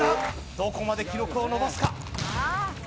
どこまで記録を伸ばすか。